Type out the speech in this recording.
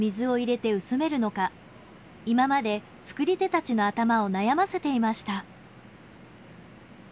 今まで造り手たちの頭を悩ませていました。